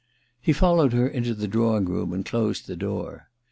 ' He followed her into the drawing room and closed the door.